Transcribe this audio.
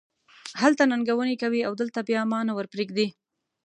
هلته ننګونې کوې او دلته بیا ما نه ور پرېږدې.